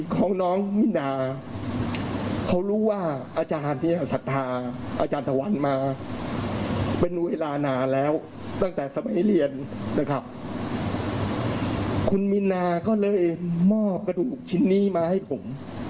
คุณมินนาก็เลยมอบกระดูกชิ้นนี้มาให้ผม